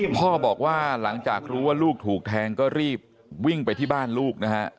พ่อบอกว่าหลังจากรู้ว่าลูกถูกแทงก็รีบวิ่งไปที่บ้านลูกนะฮะ